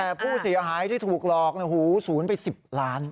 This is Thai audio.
แต่ผู้เสียหายที่ถูกหลอกศูนย์ไป๑๐ล้าน